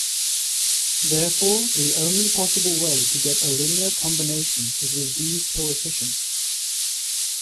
Therefore, the only possible way to get a linear combination is with these coefficients.